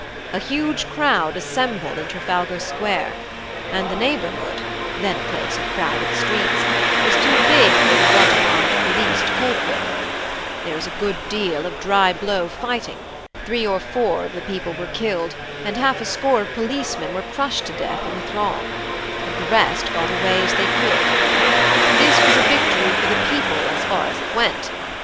A huge crowd assembled in Trafalgar Square and the neighbourhood (then a place of crowded streets), and was too big for the bludgeon armed police to cope with; there was a good deal of dry blow fighting; three or four of the people were killed, and half a score of policemen were crushed to death in the throng, and the rest got away as they could. This was a victory for the people as far as it went.